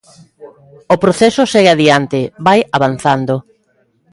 O proceso segue adiante, vai avanzando.